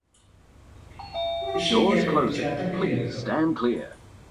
İşe yarayacağını biliyordum.